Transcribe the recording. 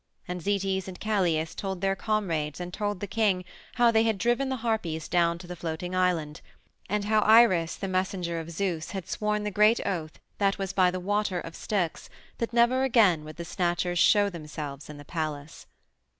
And Zetes and Calais told their comrades and told the king how they had driven the Harpies down to the Floating Island, and how Iris, the messenger of Zeus, had sworn the great oath that was by the Water of Styx that never again would the Snatchers show themselves in the palace.